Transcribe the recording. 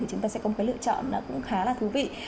chúng ta sẽ có một cái lựa chọn khá là thú vị